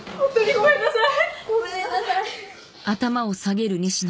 ごめんなさい。